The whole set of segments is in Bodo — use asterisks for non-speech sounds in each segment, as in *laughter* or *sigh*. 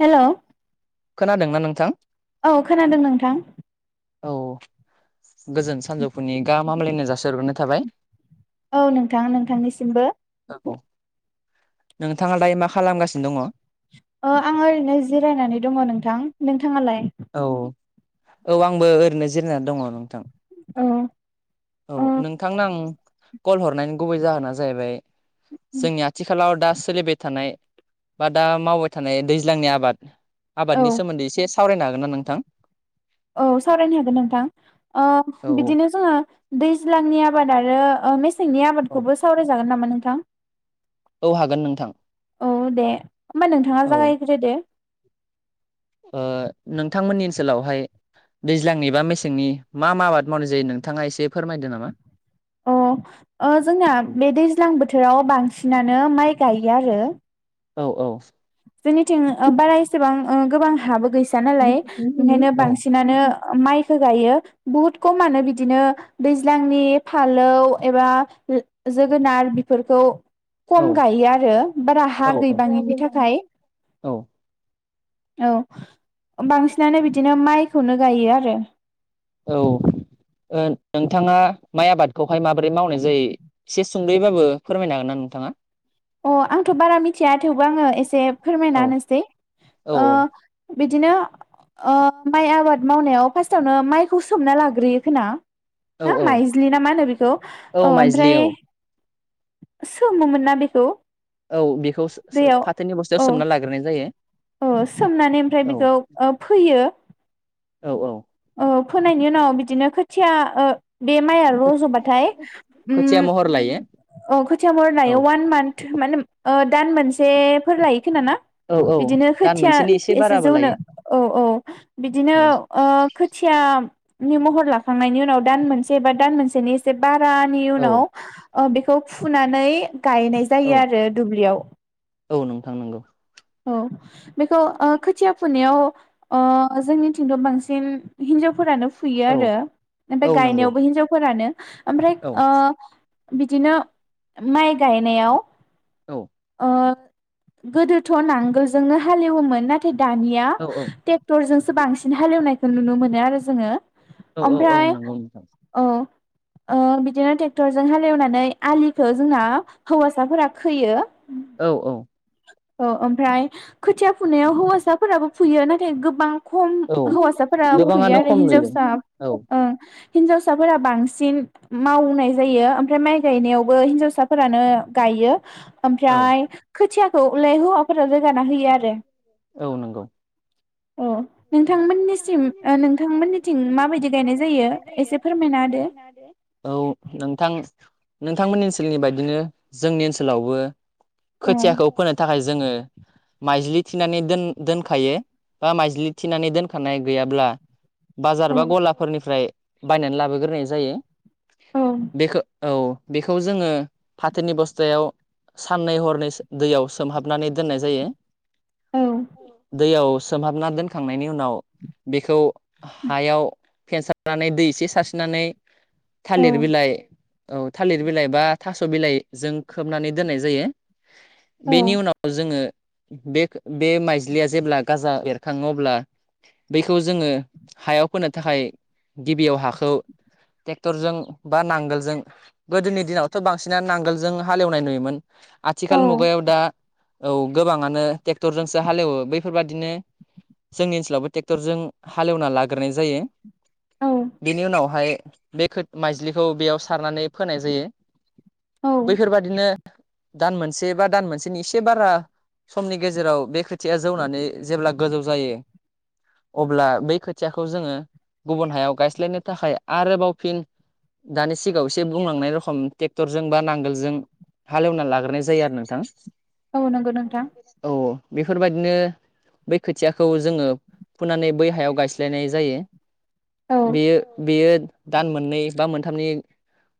हेल' खोनादोंना नोंथां? औ खोनादों नोंथां। औ गोजोन सानजौफुनि गाहाम हामलायनाय जासि हरग्रोनाय थाबाय। औ नोंथां नोंथांनिसिमबो। नोंथाङा दायो मा खालामगासिनो दङ? ओ आङो ओरैनो जिरायनानै दङ नोंथां नोंथाङालाय? औ औ आंबो ओरैनो जिरायनानै दङ नोंथां। औ औ ओ नोंथांनो आं कल हरनायनि गुबै जाहोना जाहैबाय जोंनि आथिखालाव दा सोलिबाय थानाय बा दा मावबाय थानाय दैज्लांनि आबाद औ आबादनि सोमोन्दै एसे सावरायनो हागोन ना नोंथां? औ सावरायनो हागोन नोंथां औ ओ बिदिनो जोङो दैज्लांनि आबादारि आरो मेसेंनि औ आबादखौबो सावरायजागोन नामा नोंथां? औ हागोन नोंथां। औ दे होमबा नोंथाङा औ जागायग्रोदो। ओ नोंथांमोननि ओनसोलावहाय दैज्लांनि बा मेसेंनि मा मा आबाद मावनाय जायो नोंथाङा एसे फोरमायदो नामा? अ जोंना ओ बे दैज्लां बोथोराव बांसिनानो माइ गायो आरो। औ औ जोंनिथिं ओ बारा एसेबां गोबां हाबो गैसोआ औ नालाय बेनिखायनो बांसिनानो माइखो गायो बहुत खमानो बिदिनो दैज्लां नि फानलौ एबा जो जोगोनार बेफोरखौ खम गायो आरो बारा औ हा गैबाङैनि थाखाय। औ औ बांसिनानो बिदिनो माइखौनो गायो आरो। औ ओ नोंथाङा माइ आबादखौहाय माबोरै मावनाय जायो एसे सुंद'योबाबो फोरमायनो हागोन ना नों थाङा? अ आंथ' बारा मिथिया थेवबो आङो एसे फोरमायना औ होनसै औ ओ बिदिनो ओ माइ आबाद मावनायाव फार्स्टावनो माइखौ सोमना लाग्रोयो खोना। औ ना औ माइज्लि ना मा होनो बेखौ औ माइज्लि ओमफ्राय औ सोमोमोन ना बेखौ? औ बेखौ सोम सोम दैयाव फाथोनि औ बस्थायाव सोमना लाग्रोनाय जायो। औ सोमनानै ओमफ्राय औ बेखौ फोयो औ औ औ फोनायनि उनाव बिदिनो खोथिया बे माइआ रज'बाथाय खोथिया उम महर लायो अ खोथिया महर लायो औ अवान मान्थ माने दान मोनसेफोर लायो खोना ना औ औ बिदिनो दान खोथिया मोनसेनि एसे बाराबो जौनो लायो औ औ बिदिनो औ ओ खोथिया नि महर लाखांनायनि उनाव दान मोनसे एबा दान मोनसेनि एसे बारानि औ उनाव ओ बेखौ फुनानै गायनाय जायो औ आरो दुब्लियाव। औ नोंथां नंगौ औ बेखौ ओ खोथिया फोनायाव ओ जोंनिथिंथ' बांसिन हिनजावफोरानो फुयो औ आरो ओमफाय औ नंगौ गायनायावबो हिनजावफोरानो ओमफ्राय औ ओ बिदिनो माइ गायनायाव औ ओ गोदोथ' नांगोलजोंनो हालेवोमोन नाथाय दानिया औ ट्रेक्टरजोंसो बांसिन हालेवनायखौ नुनो मोनो आरो जोङो औ औ औ ओमफ्राय नंगौ नोंथां औ ओ बिदिनो टेक्टरजों हालेवनानै आलिखौ जोंना हौवासाफोरा खोयो औ औ औ ओमफ्राय खोथिया फुनायाव हौवासाफोराबो फुयो नाथाय गोबां खम औ हौवासाफोरा फुयो गोबाङानो आरो खम नुयो हिन्जावसा औ हिनजावसाफोरा बांसिन मावनाय जायो ओमफ्राय माइ गायनायावबो हिन्जावसाफोरानो गाय यो औ ओमफ्राय खोथियाखौलाय हौवाफोरा रोगाना होयो आरो औ नंगौ औ नोंथांमोननिसिम ओ नोंथांमोननिथिं माबायदि गायनाय जायो एसे फोरमायना होदो औ नोंथां नोंथांमोननि ओनसोलनि बायदिनो जोंनि ओनसोलावबो औ खोथियाखौ फोनो थाखाय जोङो माइज्लि थिनानै दोन दोनखायो बा माइज्लि थिनानै दोन थानाय गैयाब्ला बाजार बा गलाफोरनिफ्राय बायनानै लाबोग्रोनाय जायो औ बेखौ औ बेखौ जोङो फाथोनि बस्थायाव साननै हरनै दैयाव सोमहाबनानै दोननाय जायो। औ दैयाव सोमहाबना दोनखांनायनि उनाव बेखौ हायाव फेनसारनानै दै एसे सारस्रिनानै औ थालिर बिलाइ औ थालिर बिलाइ बा थास' बिलाइजों खोबनानै दोननाय जायो। बेनि उनाव जोङो बे बे माइज्लिया जेब्ला गाजा एरखाङो अब्ला बेखौ जोङो हायाव फोनो थाखाय गिबियाव हाखौ ट्रेक्टरजों बा नांगोलजों गोदोनि दिनावथ' बांसिनानो नांगोलजों हालेवनाय नुयोमोन आथिखाल मुगायाव दा औ गोबाङानो टेक्टरजोंसो हालेवो बैफोरबादिनो जोंनि ओनसोलावबो टेक्टरजों हालेवना लाग्रोनाय जायो औ बेनि उनावहाय बे खो माइज्लिखौ बेयाव सारनानै फोनाय जायो औ बैफोरबादिनो दान मोनसे बा दान मोनसेनि एसे बारा समनि गेजेराव बे खोथिया जौनानै जेब्ला गोजौ जायो अब्ला बै खोथियाखौ जोङो गुबुन हायाव गायस्लायनो थाखाय आरोबाव फिन दानि सिगाङाव एसे बुंलांनाय रखम टेक्टरजों बा नांगोलजों हालेवना लाग्रोनाय जायो आरो नोंथां औ नंगौ नोंथां औ बेफोरबायदिनो बै खोथियाखौ जोङो फुनानै बै हायाव गायस्लायनाय जायो औ बेयो बेयो दान मोननै बा मोनथामनि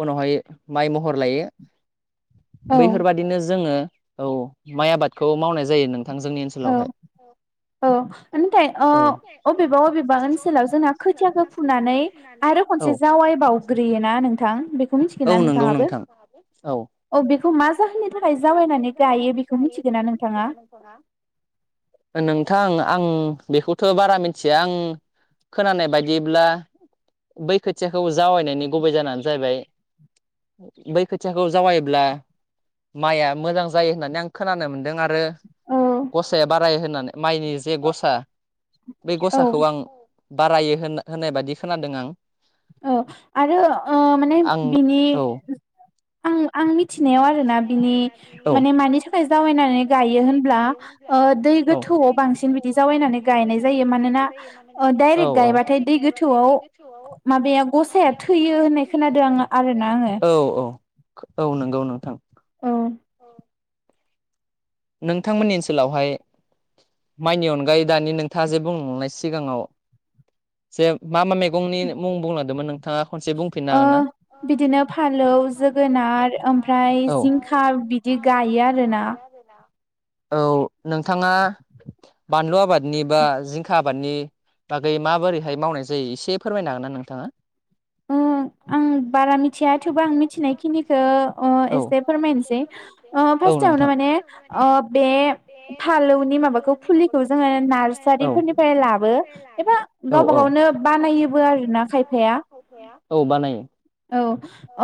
उनावहाय माइ महर लायो औ बैफोरबादिनो जोङो औ माइ आबादखौ मावनाय जायो नों औ औ नाथाय औ अबेबा अबेबा ओनसोलाव जोंना खोथियाखौ फुनानै आरो औ खनसे जावायबाव- ग्रोयो ना नोंथां बेखौ मिथिखौ औ ना नंगौ नोंथांआबो नोंथां औ बेखौ औ बेखौ जाहोननि मा थाखाय जागानिफ्राय जावायनानै बेखौ गायो मिथिगोन ना बेखौ नोंथाङा मिथिगोना नोंथाङा नोंथां आं बेखौथ' बारा मिथिया आं खोनानाय बायदिब्ला बै खोथियाखौ जावैनायनि गुबै जाहोनानो जाहैबाय बै खोथियाखौ जावायोब्ला माइआ मोजां जायो होननानै आं खोनानो मोनदों आरो औ गसाया बाराय होनानै माइनि जे गसा बे गसाखौ आं औ बारायो होन होननाय बायदि खोनादों आं औ आरो माने आं बिनि औ आं आं मिथि- नायाव आरोना बिनि औ माने मानि थाखाय जावायनानै गायो होनब्ला दै गोथौ दै गोथौआव बांसिन बिदि जावैनानै मानोना गायनाय जायो मानोना ओ डाइरेक्ट गायबाथाय दै डाइरेक्ट गायबाथाय गोथौआव दै गोथौआव माबाया गसाया माबाया थैयो गफाया होननाय थोयो खोनादों होनना आं खोनादों आरोना आङो आं औ औ नंगौ नोंथां औ नोंथांमोननि ओनसोलावहाय माइनि अनगायै दानि नोंथाङा जे बुंलांनाय सिगाङाव जे मा मा मै- गंनि मुं बुंलांदोंमोन नोंथाङा खनसे बुंफिननो ओ हागोन ना। फालौ बिदिनो फालौ जोगोनार ओमफ्राय जोगोनार ओमफ्राय जिंखा बि बिदि साव गायो गिदिर आरोना गायो आरो ना औ नोंथाङा बानलु आबादनि बा जिंखा आबादनि बागै माबोरैहाय मावनाय जायो एसे फोरमायनो हागोन ना नोंथाङा आ बारा मिथिया थेवबो आं मिनायखिनिखौ औ एसे फोरमायनोसै औ फार्स्टआवनो नोंथां माने बे फालौनि माबाखौ फुलिखौ जोङो औ नार्सारिफोरनिफ्राय लाबो एबा औ गावबा औ गावनो बानायोबो आरो ना खायफाया औ बानायो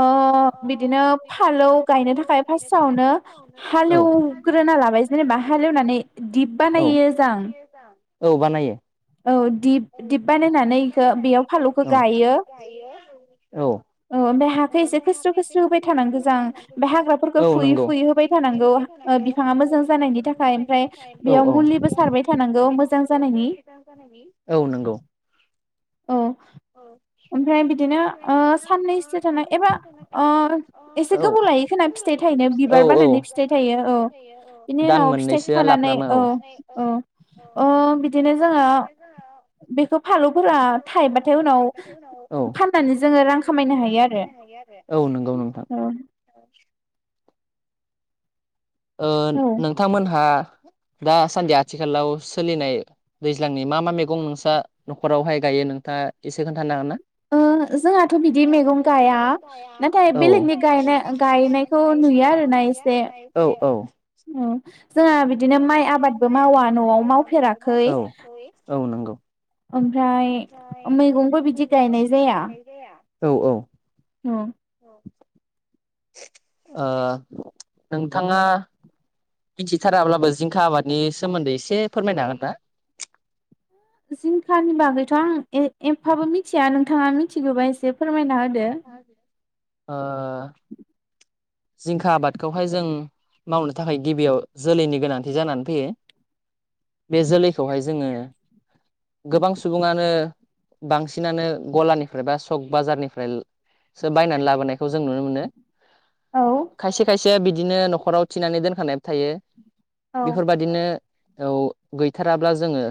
औ बिदिनो फालौ गायनो थाखाय फार्स्टआवनो औ हालेव ग्रोना लाबाय जेनेबा हालेवनानै दिप औ बानायो जां औ बानायो औ दिप बानायनानै इखो बानायनानै बेयाव गायो फालौखौ गायो औ ओमफ्राय हाखौ एसे अ खोस्रो हाखौ खोस्रो होबाय खोखो खोखो थानांगौ जों होबाय थानांगौ ओमफ्राय जां हाग्राफोरखौ औ फुयै नंगौ होबाय फुयै फुयै होबाय थानांगौ अ ओ मोजां बिफाङा जानायनि मोजां थाखाय जानायनि ओमफ्राय थाखायबो मुलिबो सारबाय बेयाव थानांगौ बोखारनाय मोजां थानांगौ जानायनि मोजां जानायनि औ नंगौ औ औ ओमफ्राय बिदिनो साननैसो थि एबा औ एसे गोबाव लायो खोना फिथाइ थायनो। औ बिबार औ बारनानै फिथाइ थायो औ बिनि दान उनाव फिथाइखौ मोननैसोआ खानानै लाफ्रामो औ औ बिदिनो जोङो बेखौ फालौफोरा थायोबाथाय उनाव औ फाननानै जोङो रां खामायनो हायो आरो औ नंगौ नोंथां औ औ नोंथांमोनहा दासान्दि आथिखालाव सोलिनाय दैज्लांनि मा मा मैगं नोंस्रा न'खरावहाय गायो नों था एसे खोनथानो हागोन ना। ओ जोंहाथ' बिदि मैगं गया नाथाय बेलेगनि गायनाय गायनायखौ नुयो आरोना। एसे औ औ जोंहा बिदिनो माइ आबादबो मावा न'आव मावफेराखै औ औ नंगौ। ओमफ्राय मैगंखौ बिदि गायनाय जाया औ-औ ओ उम नोंथाङा मिथिथाराब्लाबो जिंखा आबादनि सोमोन्दै एसे फोरमायनो हागोन ना? जिंखानि बागैथ' आं एसेबो मिथिया नोंथाङा मिथिगौबा एसे फोरमायना हो। ओ जिंखा आबादखौहाय जों मावनो थाखाय गिबियाव जोलैनि गोनांथि जानानै फैयो। बे जोलैखौहाय जोङो गोबां सुबुङानो बांसिनानो गलानिफ्राय बा सक बाजारनिफ्राय सो बायनानै लाबोनायखौ जों नुनो मोनो औ खायसे-खायसे जों बिदिनो न'खराव थिनानै दोनखानाय थायो औ बेफोरबायदिनो औ गैथाराब्ला जोङो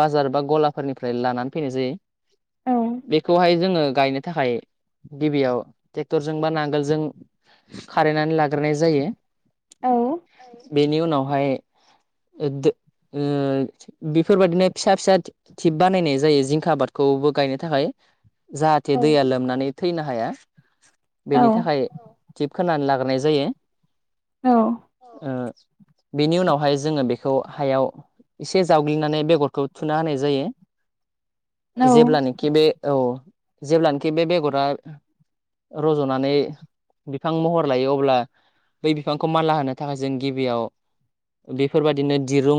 बाजार बा गलाफोरनिफ्राय लानानै फैनाय जायो। औ बेखौहाय जोङो गायनो थाखाय गिबियाव ट्रेक्टरजों बा नांगोलजों खारैनानै लाग्रोनाय जायो। औ बेनि उनावहाय ओ बेफोरबायाददिनो फिसा- फिसा थिप बानायनाय जायो जिंखा आबादखौबो गायनो थाखाय। जाहाथे औ दैया लोमनानै थैनो हाया, बेनि औ थाखाय थिप खोनानै लाग्रोनाय जायो। औ ओ बेनि उनावहाय जोङो बेखौ हायाव एसे जावग्लिनानै बेगरखौ थुना होनाय जायो। जेब्लानोखि बे औ जेब्लानोाखि बे बेगरा रज'नानै बिफां महर लायो अब्ला बै बिफांखौ मानला होनो थाखाय जों गिबियाव बेफोरबायाददिनो दिरुं,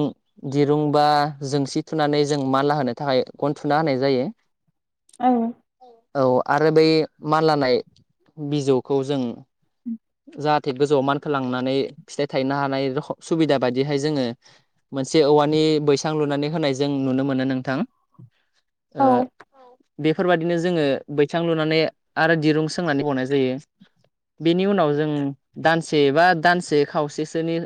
दिरुं बा जोंसि थुनानै जों मानला होनो थाखाय थुना होनाय जायो। औ औ आरो बै मानल लांनाय बिजौखौ जों जाहाथे गोजौआव मानखोलांनानै फिथाइ थायनो हानाय सुबिदा बायदिहाय जोङो मोनसे औवानि बैसां लुनानै होनाय जों नुनो मोनो नोंथां। ओ बेफोरबाददिनो जोङो बैसां लुनानै आरो दिरुं सोंनानै होबावनाय जायो। बेनि उनाव जों दानसे बा दानसे खावसेसोनि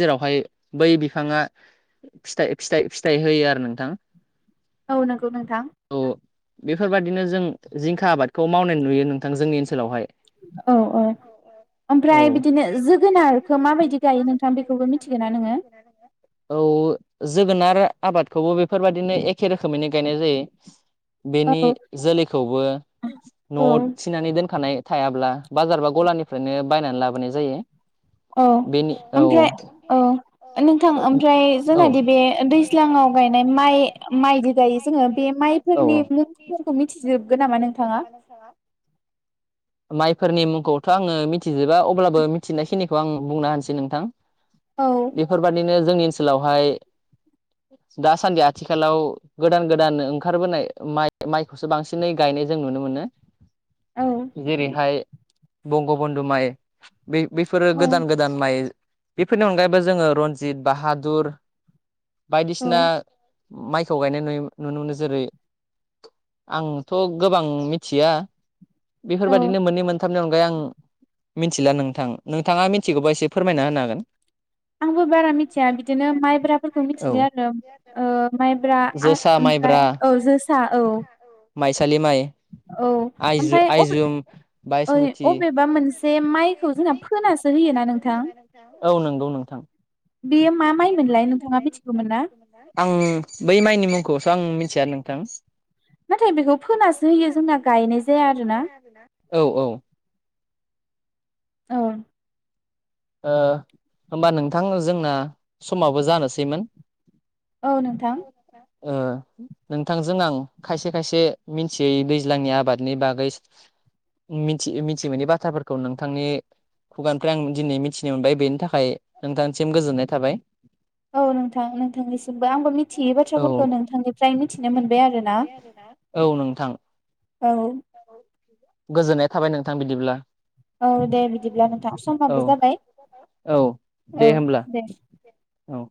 जेरावहाय बै बिफाङा फिथाय, फिथाइ फिथाइ होयोआरो नोंथां। औ नंगौ नोंथां। बेफोरबायाददिनो जों जिंखा आबादखौ मावनाय नुयो नोंथां जोंनि ओनसोलावहाय। औ-औ औ-औ माबायदि गायो नोंथां बेखौबो मिथिगोना नोङो? जोगोनार आबादखौबो बेफोरबाददिनो एखे रोखोमैनो गायनाय जायो। औ बेनि जोलैखौबो औ न'आव थिनानै दोनखानाय थायाब्ला बाजार बा गलानिफ्रायनो बायनानै लाबोनाय जायो। औ बेनि औ ओमफ्राय औ नोंथां ओमफ्राय औ जोंनादि बे दैज्लांआव माय गायो माइ-माइदि गायो जोङो बे औ माइफोरनि मुंफोरखौ मिथिजोबगोन नामा नोंथाङा? औ माइफोरनि मुंखौथ' आङो मिथिजोबा अब्लाबो मिथिनायखिनिखौ आं बुंना होनानोसै नोंथां औ बेफोरबादिनो जोंनि ओनसोलावहाय दासान्दि आथिखालाव गोदान-गोदान ओंखारबोनाय माइ माइखौसो बांसिनै गायनाय जों नुनो मोनो। औ जेरैहाय बंगबन्धु माइ बै-बैफोरो गोदान औ गोदान माइ। बेफोरनि अनगायैबो जोङो रनजित, बाहादुर औ बायदिसिना माइखौ गायनाय नुयो-नुनो मोनो जेरै आंथ' गोबां मिथिया औ बेफोरबायाददिनो मोननै मोनथामनि अनगायै आं मिथिला नोंथां नोंथाङा मिथिगौबा एसे फोरमायना होनो हागोन आंबो बारा मिथिया बिदिनो माइब्राफोरखौ औ मिथियो आरो ओ माइब्रा आ जोसा ओमफ्राय माइब्रा औ जोसा औ। माइसालि माइ औ आइ ओमफ्राय अबे आइजुम ओइ बायसमुथि अबेबा मोनसे माइखौ जोंना फोनासो होयोना नोंथां? *unintelligible* औ नोंगौ नोंथां। बेयो मा माइमोनलाय नोंथाङा मिथिगौमोन ना? *unintelligible* आं बै माइनि मुं खौसो आं मिथिया नोंथां। नाथाय बेखौ फोनासो होयो जोंना गायनाय जाया आरोना। औ औ। औ। ओ होमबा नोंथां जोंना समावबो जानोसैमोन। औ नोंथां। ओ नोंथांजों आं खायसे खायसे मिन्थियै दैज्लांनि आबादनि बागै मिथि मिथि मोननि बाथ्राफोरखौ नोंथांनि खुगानिफ्राय आं दिनै मि थिनो मोनबाय बेनि थाखाय नोंथांसिम गोजोननाय थाबाय। औ नोंथां नोंथांनिसिमबो आंबो मिथियै औ बाथ्राफोरखौ नोंथांनिफ्राय मिथिनो मोन औ नोंथां। औ। गोजोननाय थाबाय नोंथां बिदिब्ला। औ दे बिदिब्ला नोंथां औ समाबो जाबाय औ दे होमब्ला। औ।